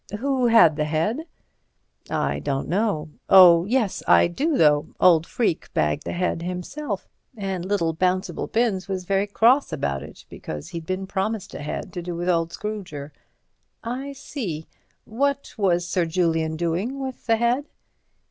"Who had the head?" "I don't know—oh, yes, I do, though. Old Freke bagged the head himself, and little Bouncible Binns was very cross about it, because he'd been promised a head to do with old Scrooger." "I see; what was Sir Julian doing with the head?"